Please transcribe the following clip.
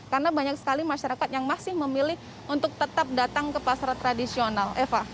karena banyak sekali masyarakat yang masih memilih untuk tetap datang ke pasar tradisional eva